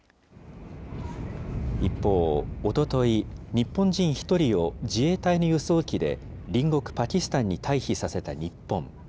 一方、おととい、日本人１人を自衛隊の輸送機で、隣国パキスタンに退避させた日本。